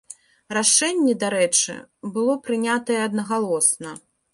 Рашэнне, дарэчы, было прынятае аднагалосна.